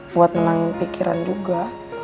buat menangin pikiran juga